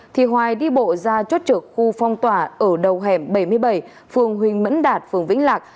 thì hoài đi bộ ra chốt trực khu phong tỏa ở đầu hẻm bảy mươi bảy phường huỳnh mẫn đạt phường vĩnh lạc